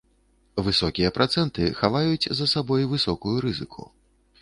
Высокія працэнты хаваюць за сабой высокую рызыку.